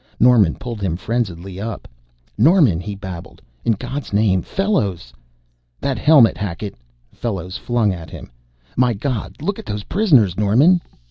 Norman pulled him frenziedly up. "Norman!" he babbled. "In God's name Fellows !" "That helmet, Hackett!" Fellows flung at him. "My God, look at those prisoners Norman!"